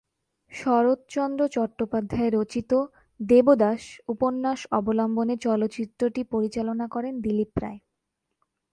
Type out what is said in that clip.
শরৎচন্দ্র চট্টোপাধ্যায় রচিত "দেবদাস" উপন্যাস অবলম্বনে চলচ্চিত্রটি পরিচালনা করেন দিলীপ রায়।